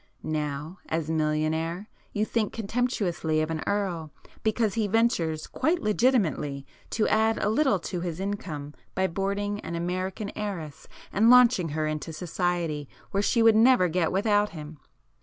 Now, as millionaire, you think contemptuously of an Earl, because he ventures quite legitimately to add a little to his income by boarding an American heiress and launching her into society where she would never get without him.